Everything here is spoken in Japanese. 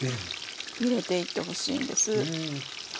入れていってほしいんです。